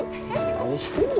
何してんの？